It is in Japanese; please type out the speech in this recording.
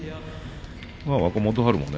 若元春もね